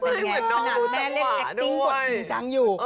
เพราะยังไงขนาดแม่เล่นแอคติงกฎจริงจังอยู่